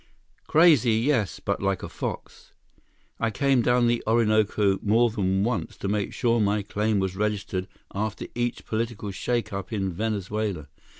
"Crazy, yes, but like a fox. I came down the Orinoco more than once to make sure my claim was registered after each political shakeup in Venezuela.